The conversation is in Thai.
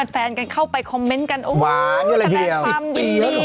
แฟนกันเข้าไปคอมเมนต์กันโอ้โหแสดงความยินดี